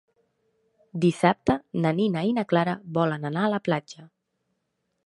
Dissabte na Nina i na Clara volen anar a la platja.